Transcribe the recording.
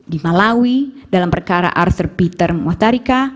di malawi dalam perkara arthur peter muattarika